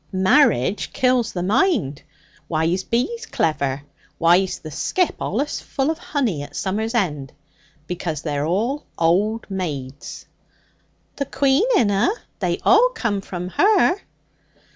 Marriage kills the mind! Why's bees clever? Why's the skip allus full of honey at summer's end? Because they're all old maids!' 'The queen inna. They all come from her.'